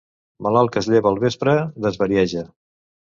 Malalt que es lleva al vespre, desvarieja.